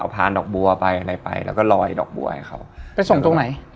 คนละแบบไปเลยนะ